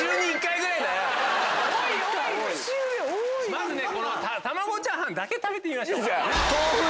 まずねこの玉子チャーハンだけ食べてみましょう。